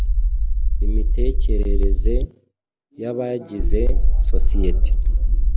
imitekerereze y’abagize sosiyete